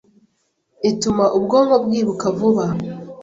ituma ubwonko bwibuka vuba.